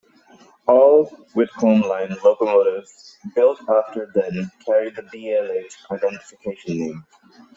All Whitcomb line locomotives built after then carried the B-L-H identification name.